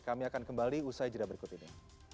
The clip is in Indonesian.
kami akan kembali usai jeda berikut ini